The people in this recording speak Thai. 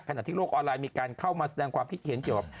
ที่โลกออนไลน์มีการเข้ามาแสดงความคิดเห็นเกี่ยวกับ